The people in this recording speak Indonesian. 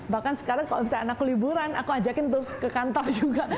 bahkan sekarang kalau misalnya anak liburan aku ajakin tuh ke kantor juga